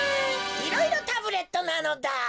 いろいろタブレットなのだ。